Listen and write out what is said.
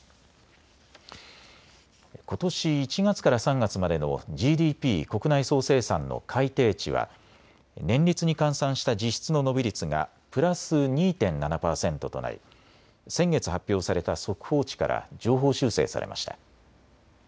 ことし１月から３月までのＧＤＰ・国内総生産の改定値は年率に換算した実質の伸び率がプラス２．７％となり先月発表された速報値から上方修正されました。